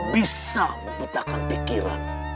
bisa membutakan pikiran